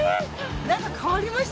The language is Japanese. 何か変わりました？